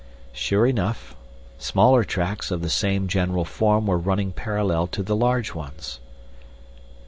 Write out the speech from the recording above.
Sure enough, smaller tracks of the same general form were running parallel to the large ones.